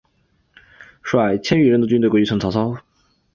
率千余人的军队归顺曹操。